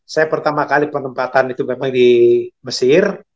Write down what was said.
saya pertama kali penempatan itu memang di mesir